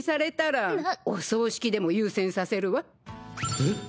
お葬式でも優先させるわ。